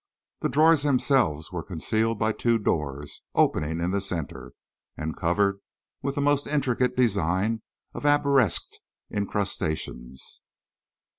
The drawers themselves were concealed by two doors, opening in the centre, and covered with a most intricate design of arabesqued incrustations.